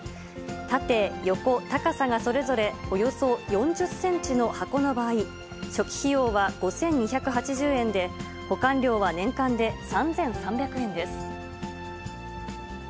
縦、横、高さがそれぞれおよそ４０センチの箱の場合、初期費用は５２８０円で、保管料は年間で３３００円です。